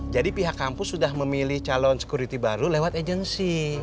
jadi pihak kampus sudah memilih calon sekuriti baru lewat agensi